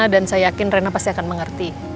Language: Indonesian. dan saya yakin rena pasti akan mengerti